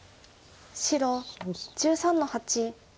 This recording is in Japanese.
白１３の八。